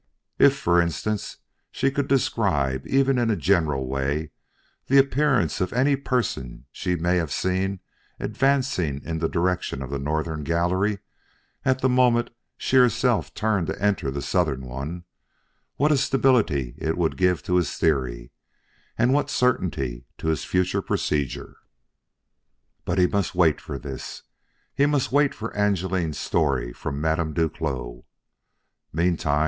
If, for instance, she could describe even in a general way the appearance of any person she may have seen advancing in the direction of the northern gallery at the moment she herself turned to enter the southern one, what a stability it would give to his theory, and what certainty to his future procedure! But he must wait for this, as he must wait for Angeline's story from Madame Duclos.